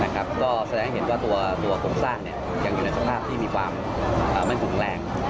ก็แสดงเห็นว่าตัวโครงสร้างยังอยู่ในสภาพที่มีความไม่แข็งแรง